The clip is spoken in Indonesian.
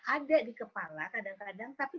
ada di kepala kadang kadang tapi